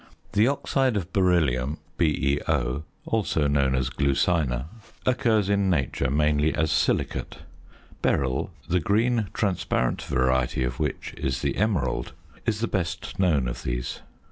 The oxide of beryllium, BeO (also known as glucina), occurs in nature mainly as silicate. Beryl, the green transparent variety of which is the emerald, is the best known of these.